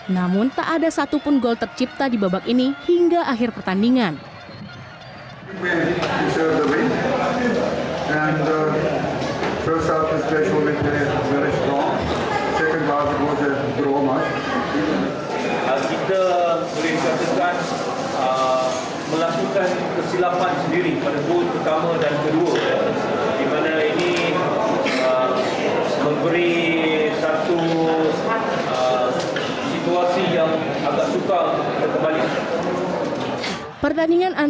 namun tak ada satu pun gol tercipta di babak ini hingga akhir pertandingan